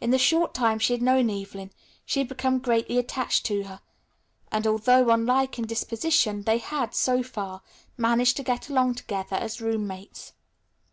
In the short time she had known Evelyn she had become greatly attached to her, and although unlike in disposition, they had, so far, managed to get along together as roommates.